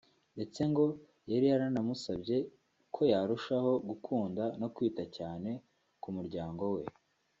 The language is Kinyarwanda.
ndetse ngo yari yanamusabye ko yarushaho gukunda no kwita cyane ku muryango we